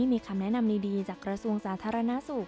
มีคำแนะนำดีจากกระทรวงสาธารณสุข